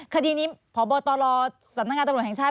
คดีนี้พบตรสำนักงานตำรวจแห่งชาติ